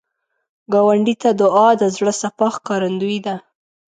ګاونډي ته دعا، د زړه صفا ښکارندویي ده